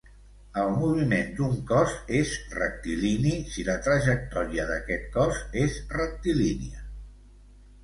El moviment d'un cos és rectilini si la trajectòria d'aquest cos és rectilínia.